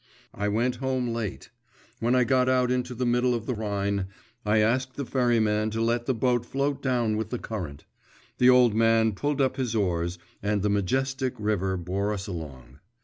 I went home late. When I had got out into the middle of the Rhine, I asked the ferryman to let the boat float down with the current. The old man pulled up his oars, and the majestic river bore us along.